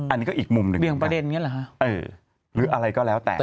อันนี้ก็อีกมุมนึงอย่างประเด็นเงี้ยนะฮะหรืออะไรก็แล้วแต่